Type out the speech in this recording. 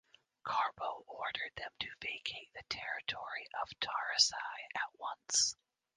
Carbo ordered them to vacate the territory of the Taurisci at once.